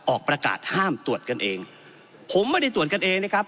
ออกประกาศห้ามตรวจกันเองผมไม่ได้ตรวจกันเองนะครับ